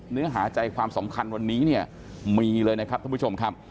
เนื้อหาใจความสำคัญวันนี้เนี่ยมีเลยนะครับท่านผู้ชมครับ